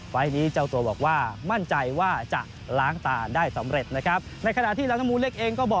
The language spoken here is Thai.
ไฟล์ทนี้เจ้าตัวบอกว่ามั่นใจว่าจะล้างตาได้สำเร็จนะครับ